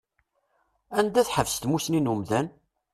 Anda tḥebbes tmusni n umdan?